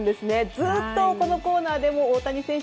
ずっとこのコーナーでも大谷選手